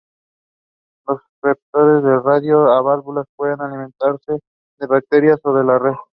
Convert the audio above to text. Los receptores de radio a válvulas pueden alimentarse de baterías o de la red.